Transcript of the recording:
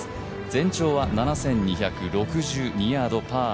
全長は７，２６２ヤード、パー７０。